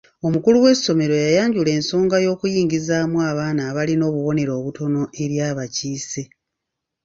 Omukulu w'essomero yayanjula ensonga y'okuyingizaamu abaana abalina obubonero obutono eri abakiise.